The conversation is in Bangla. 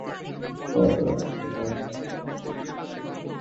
স্যরি, আসলে আমি প্লেনটা মিস করেছিলাম।